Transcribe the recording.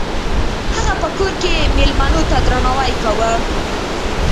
هغه په کور کې میلمنو ته درناوی کاوه.